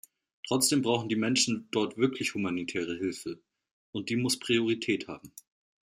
Trotzdem brauchen die Menschen dort wirklich humanitäre Hilfe, und die muss Priorität haben.